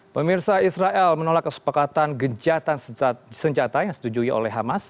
pemirsa israel menolak kesepakatan gencatan senjata yang disetujui oleh hamas